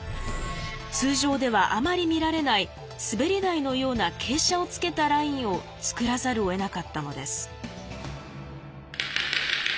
通常ではあまり見られない滑り台のような傾斜をつけたラインを作らざるをえなかったのです。